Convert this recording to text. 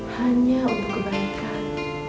hanya untuk kebaikan